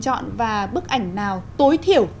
chọn và bức ảnh nào tối thiểu